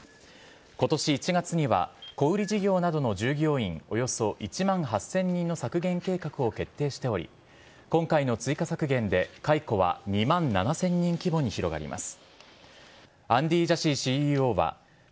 ことし１月には、小売り事業などの従業員およそ１万８０００人の削減計画を決定しており、今回の追加削減で解雇は２万７０００人規模に広がります。